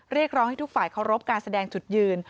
เรียกร้องให้ทุกฝ่ายเคารพการแสดงจุดยืน